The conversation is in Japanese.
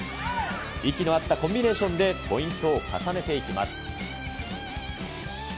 息の合ったコンビネーションでポイントを重ねていきます。